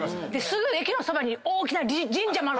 すぐ駅のそばに大きな神社も。